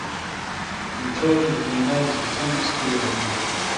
مُوچھوڑے دُکانداری سے سَم اِستِری اَڈینالے۔